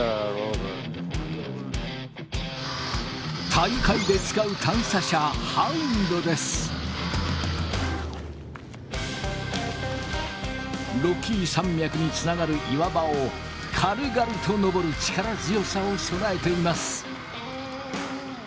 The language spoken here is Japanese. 大会で使うロッキー山脈につながる岩場を軽々と登る力強さを備えています。